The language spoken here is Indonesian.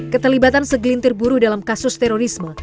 keterlibatan segelintir buruh dalam kasus terorisme